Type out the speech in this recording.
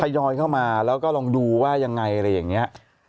ยอยเข้ามาแล้วก็ลองดูว่ายังไงอะไรอย่างนี้